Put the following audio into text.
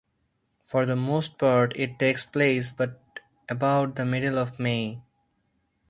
For the most part it takes place about the middle of May.